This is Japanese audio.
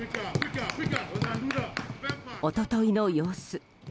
一昨日の様子。